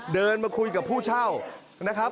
เดินมาคุยกับผู้เช่านะครับ